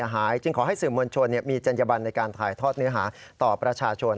จึงขอให้สื่อมวลชนมีจัญญบันในการถ่ายทอดเนื้อหาต่อประชาชน